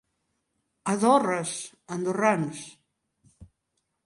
A Dorres, andorrans.